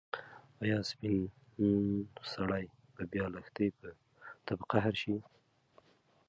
ایا سپین سرې به بیا لښتې ته په قهر شي؟